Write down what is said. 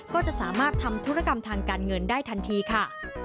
ก็จะสามารถทำธุรกรรมทางการเงินได้ทันทีค่ะ